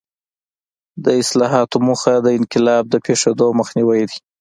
د اصلاحاتو موخه د انقلاب د پېښېدو مخنیوی دی.